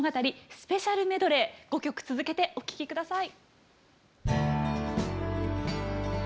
スペシャルメドレー５曲続けてお聴き下さい。